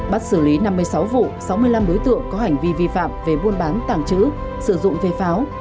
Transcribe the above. bắt xử lý năm mươi sáu vụ sáu mươi năm đối tượng có hành vi vi phạm về buôn bán tàng trữ sử dụng về pháo